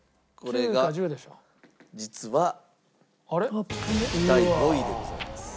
実は第５位でございます。